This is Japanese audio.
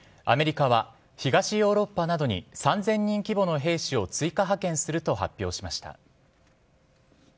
アメリカは東ヨーロッパなどに３０００人規模の兵士を追加派遣すると発表しました。